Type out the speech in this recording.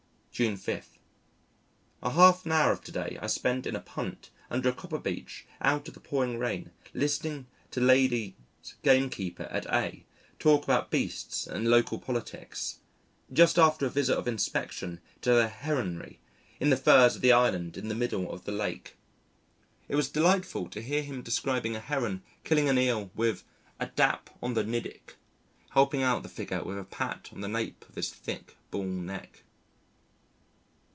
June 5. A half an hour of to day I spent in a punt under a copper beech out of the pouring rain listening to Lady 's gamekeeper at A talk about beasts and local politics just after a visit of inspection to the Heronry in the firs on the island in the middle of the Lake. It was delightful to hear him describing a Heron killing an Eel with "a dap on the niddick," helping out the figure with a pat on the nape of his thick bull neck.